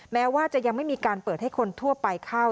แม้ว่าจะยังไม่มีการเปิดให้คนทั่วไปเข้า